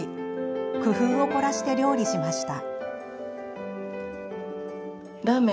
工夫を凝らして料理しました。